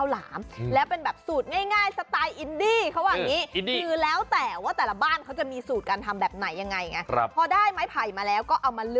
ชาวบ้านบางกลุ่มเค้าจะเข้าป่าไปตัดไม้ไผ่กันมา